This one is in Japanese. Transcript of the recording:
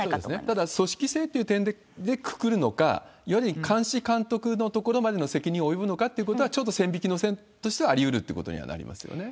ただ、組織性っていう点でくくるのか、より監視監督のところまでの責任が及ぶのかっていうところは、ちょうど線引きの線としてはありうるということになりますよね？